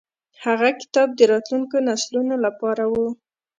هغه کتاب د راتلونکو نسلونو لپاره و.